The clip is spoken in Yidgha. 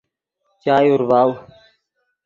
چائے اورڤاؤ